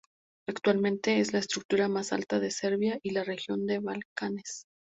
Actualmente es la estructura más alta en Serbia y la región de los Balcanes.